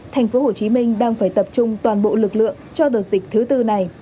thành phố hồ chí minh đang phải tập trung toàn bộ lực lượng cho đợt dịch thứ tư này